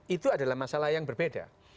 itu adalah masalah yang berbeda